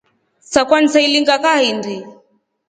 Sakwa nisailinga kahindi.